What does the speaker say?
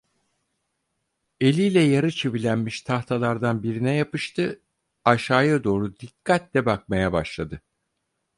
Eliyle yarı çivilenmiş tahtalardan birine yapıştı, aşağıya doğru dikkatle bakmaya başladı.